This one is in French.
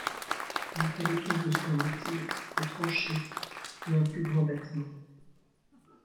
Il fallait plus de stands de tir, de tranchées et un plus grand bâtiment.